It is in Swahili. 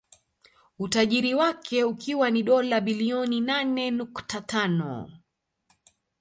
Utajiri wake ukiwa ni dola bilioni nane nukta tano